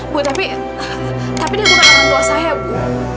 bu tapi dia bukan orang tua saya bu